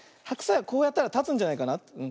ハクサイはこうやったらたつんじゃないかな。